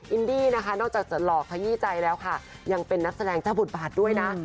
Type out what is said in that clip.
อินดี้นะคะนอกจากจะหล่อขยี้ใจแล้วค่ะยังเป็นนักแสดงเจ้าบทบาทด้วยนะ